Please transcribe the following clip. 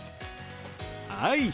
はい。